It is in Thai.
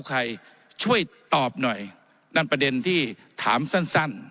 ใครช่วยตอบหน่อยนั่นประเด็นที่ถามสั้นสั้น